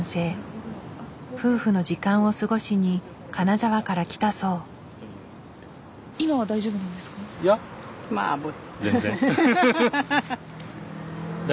夫婦の時間を過ごしに金沢から来たそう。